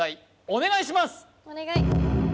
お願いします